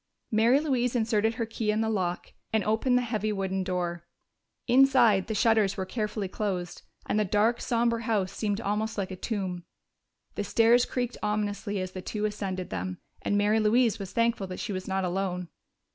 Mary Louise inserted her key in the lock and opened the heavy wooden door. Inside, the shutters were carefully closed, and the dark, somber house seemed almost like a tomb. The stairs creaked ominously as the two ascended them, and Mary Louise was thankful that she was not alone.